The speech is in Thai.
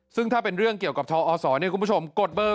ซึ่งถ้าเป็นเรื่องเกี่ยวกับทอศคุณผู้ชมกดเบอร์